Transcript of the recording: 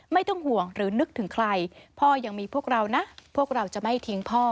ไม่ต้องห่วงหรือนึกถึงใครพ่อยังมีพวกเรานะพวกเราจะไม่ทิ้งพ่อ